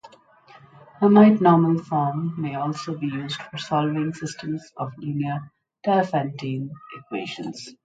Hermite normal form may also be used for solving systems of linear Diophantine equations.